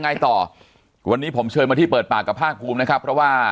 ไงต่อวันนี้ผมเชิญมาที่เปิดปากกับภาคภูมินะครับเพราะว่า